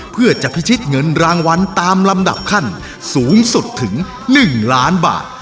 เพื่อจะพิชิตเงินรางวัลตามลำดับขั้นสูงสุดถึง๑ล้านบาท